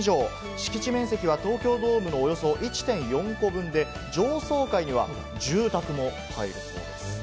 敷地面積は東京ドームのおよそ１．４個分で、上層階には住宅も入るそうです。